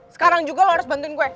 sekarang juga lo harus bantuin gue